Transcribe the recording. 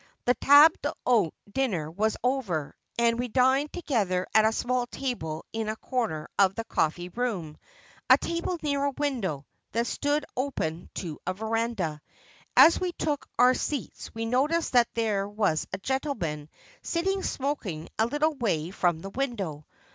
The table d'hote dinner was over, and we dined together at a small table in a corner of the cofEee room, a table near a window, that stood open to a verandah. As we took our seats we noticed that there was a gentleman sitting smoking a little way from the window.